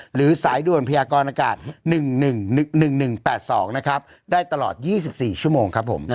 หรือสายด่วนพยากรอากาศ๑๑๑๘๒นะครับได้ตลอด๒๔ชั่วโมงครับผม